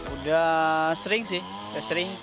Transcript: udah sering sih udah sering